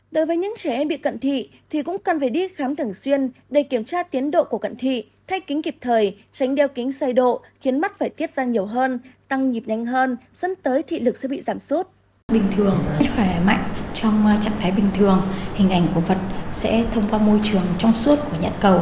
đối với những trẻ em bị cận thị thì cũng cần phải đi khám thường xuyên để kiểm tra tiến độ của cận thị thay kính kịp thời tránh đeo kính sai độ khiến mắt phải tiết ra nhiều hơn tăng nhịp nhanh hơn dẫn tới thị lực sẽ bị giảm suốt